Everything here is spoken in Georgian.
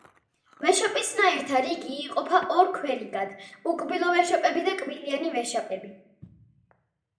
ვეშაპისნაირთა რიგი იყოფა ორ ქვერიგად: უკბილო ვეშაპები და კბილიანი ვეშაპები.